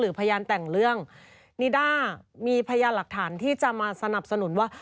พยานแต่งเรื่องนิด้ามีพยานหลักฐานที่จะมาสนับสนุนว่า